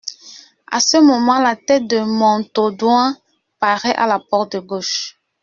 À ce moment, la tête de Montaudoin paraît à la porte de gauche.